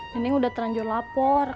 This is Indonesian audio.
nenek udah teranjur lapor